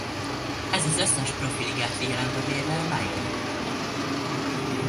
Ez az összes profi ligát figyelembe véve máig rekord.